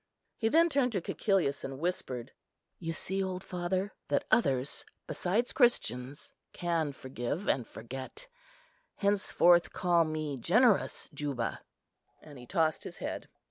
He then turned to Cæcilius and whispered, "You see, old father, that others, besides Christians, can forgive and forget. Henceforth call me generous Juba." And he tossed his head.